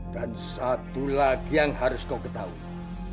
dan satu lagi yang harus kau ketahui